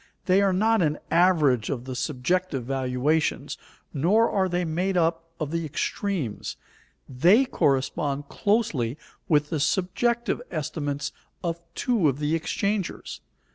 They are not an average of the subjective valuations, nor are they made up of the extremes. They correspond closely with the subjective estimates of two of the exchangers.